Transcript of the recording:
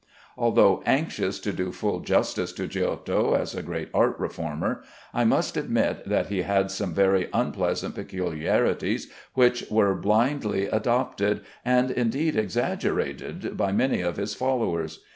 Although anxious to do full justice to Giotto as a great art reformer, I must admit that he had some very unpleasant peculiarities which were blindly adopted, and, indeed, exaggerated, by many of his followers.